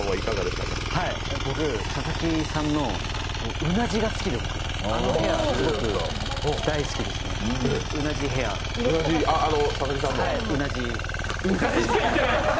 僕、佐々木さんのうなじが好きであのヘア、すごく大好きですね、うなじヘア、はいうなじ。